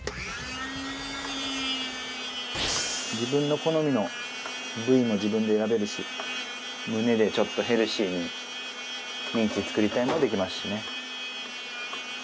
自分の好みの部位も自分で選べるし胸で「ちょっとヘルシーにミンチ作りたい」もできますしね。